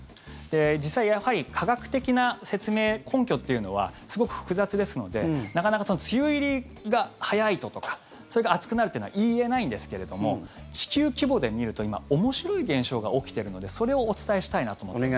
実際、やはり科学的な説明根拠っていうのはすごく複雑ですのでなかなか梅雨入りが早いとかそれから暑くなるっていうのは言えないんですけれども地球規模で見ると今、面白い現象が起きているのでそれをお伝えしたいなと思っています。